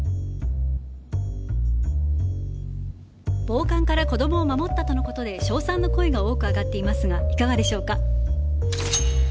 暴漢から子供を守ったとのことで称賛の声が多く上がっていますがいかがでしょうか？